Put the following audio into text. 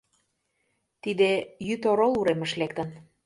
Тиде йӱд орол уремыш лектын.